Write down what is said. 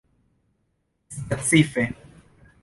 specife